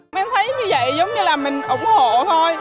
em thấy như vậy giống như là mình ủng hộ thôi